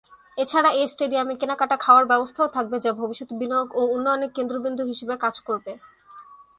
এছাড়া এই স্টেডিয়ামে কেনাকাটা, খাওয়ার ব্যবস্থাও থাকবে যা ভবিষ্যতে বিনিয়োগ ও উন্নয়নের কেন্দ্রবিন্দু হিসাবে কাজ করবে।